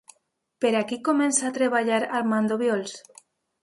Per a qui comença a treballar Armand Obiols?